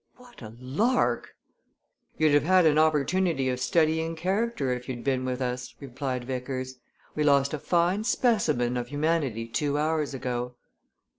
"What a lark!" "You'd have had an opportunity of studying character if you'd been with us," replied Vickers. "We lost a fine specimen of humanity two hours ago."